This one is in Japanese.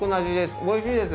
おいしいです！